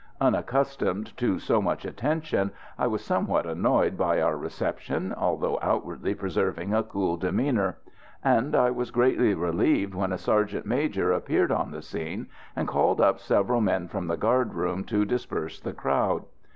Unaccustomed to so much attention, I was somewhat annoyed by our reception, although outwardly preserving a cool demeanour; and I was greatly relieved when a sergeant major appeared on the scene and called up several men from the guard room to disperse the crowd.